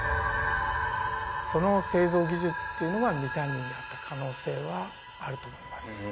その製造技術っていうのはミタンニにあった可能性はあると思います